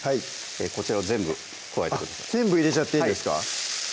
こちらを全部加えてください全部入れちゃっていいですか？